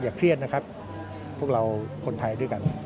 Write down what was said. เครียดนะครับพวกเราคนไทยด้วยกัน